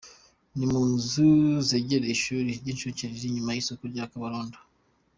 Ni mu nzu zegereye ishuri ry’incuke riri inyuma y’isoko rya Kabarondo.